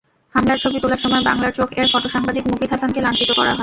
হামলার ছবি তোলার সময় বাংলার চোখ-এর ফটোসাংবাদিক মুকিত হাসানকে লাঞ্ছিত করা হয়।